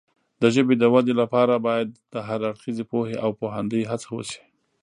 د ژبې د وده لپاره باید د هر اړخیزې پوهې او پوهاندۍ هڅه وشي.